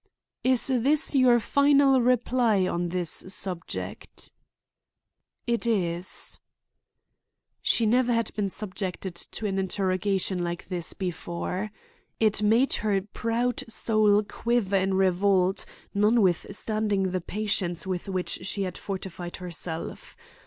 "Is this your final reply on this subject?" "It is." She never had been subjected to an interrogation like this before. It made her proud soul quiver in revolt, notwithstanding the patience with which she had fortified herself.